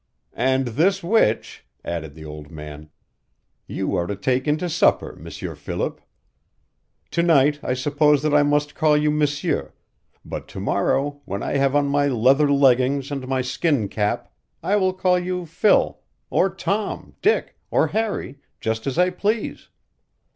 "And this witch," added the old man, "you are to take in to supper, M'sieur Philip. To night I suppose that I must call you m'sieur, but to morrow, when I have on my leather leggings and my skin cap, I will call you Phil, or Tom, Dick, or Harry, just as I please.